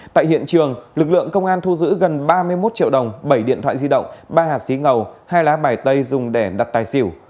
tại hiện trường lực lượng công an thu giữ gần ba mươi một triệu đồng bảy điện thoại di động ba hạt xí ngầu hai lá bài tay dùng để đặt tài xỉu